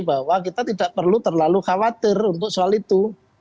bahwa kita tidak perlu terlalu khawatir untuk soal itu